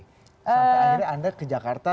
sampai akhirnya anda ke jakarta